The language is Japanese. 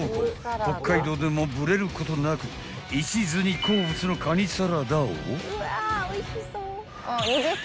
北海道でもブレることなくいちずに好物のかにサラダを］